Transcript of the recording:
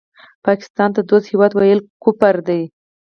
پاکستان ته دوست هېواد وویل کفر دی